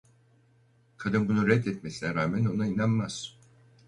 Kadın bunu reddetmesine rağmen ona inanmaz.